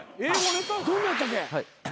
どんなんやったっけ？